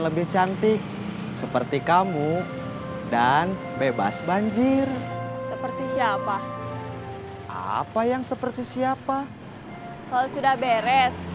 lebih cantik seperti kamu dan bebas banjir seperti siapa apa yang seperti siapa kalau sudah beres